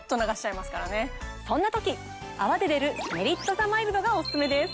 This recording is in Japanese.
そんな時泡で出るメリットザマイルドがおすすめです。